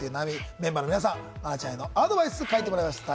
メンバーの皆さん、奈々ちゃんへのアドバイスを書いてもらいました。